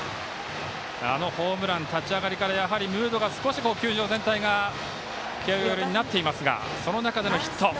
あのホームラン、立ち上がりからムードが球場全体が慶応寄りになっていますがその中でのヒット。